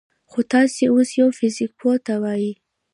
خو تاسو اوس يوه فزيك پوه ته ووايئ: